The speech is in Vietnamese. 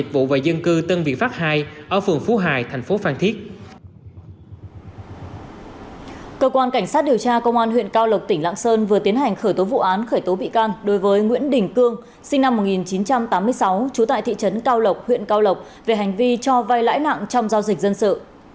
chú tại thị trấn cao lộc huyện cao lộc về hành vi cho vai lãi nặng trong giao dịch dân sự